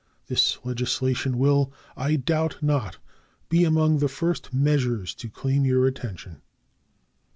This legislation will, I doubt not, be among the first measures to claim your attention.